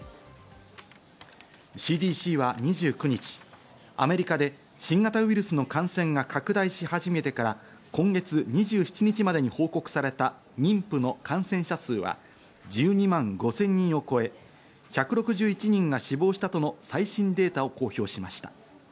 ＣＤＣは２９日、アメリカで新型ウイルスの感染が拡大し始めてから今月２７日までに報告された妊婦の感染者数は１２万５０００人を超え、１６１人が死亡したとの最新データを公表しました。